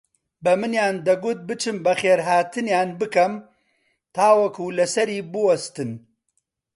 بەمنیان دەگوت بچم بەخێرهاتنیان بکەم تاوەکو لەسەری بووەستن